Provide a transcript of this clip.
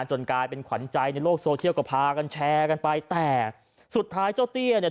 กลายเป็นขวัญใจในโลกโซเชียลก็พากันแชร์กันไปแต่สุดท้ายเจ้าเตี้ยเนี่ย